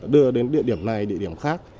đưa đến địa điểm này địa điểm khác